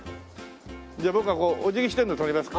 じゃあ僕がこうお辞儀してるの撮りますか？